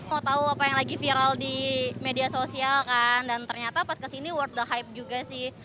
mau tahu apa yang lagi viral di media sosial kan dan ternyata pas kesini world the hype juga sih